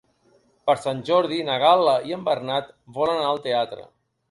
Per Sant Jordi na Gal·la i en Bernat volen anar al teatre.